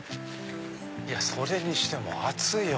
それにしても暑いよ